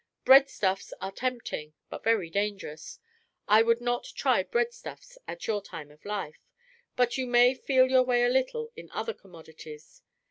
Breadstuffs are tempting, but very dangerous; I would not try breadstuffs at your time of life; but you may feel your way a little in other commodities.